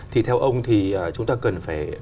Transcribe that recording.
thì theo ông thì chúng ta cần phải